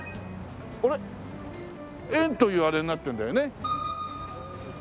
「円」というあれになってるんだよね？